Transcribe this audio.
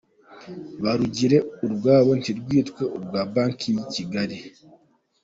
Barugire urwabo ntirwitwe urwa Banki ya Kigali.